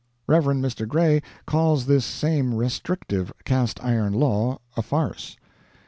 Rev. Mr. Gray calls this same restrictive cast iron law a "farce."